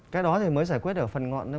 cái đó thì mới giải quyết ở phần ngọn